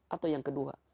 atau yang kedua